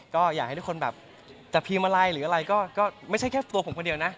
ก็อยากให้ทุกคนแบบจะพิมพ์อะไรหรืออะไรก็ไม่ใช่แค่ตัวผมคนเดียวนะ